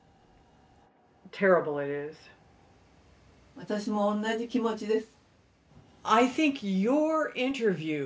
私も同じ気持ちです。